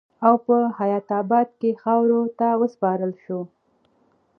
او پۀ حيات اباد کښې خاورو ته وسپارل شو